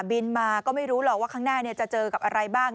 บินมาก็ไม่รู้หรอกว่าข้างหน้าจะเจอกับอะไรบ้าง